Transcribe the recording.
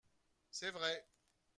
C’est vrai